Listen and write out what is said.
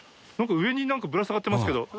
上になんかぶら下がってますけど。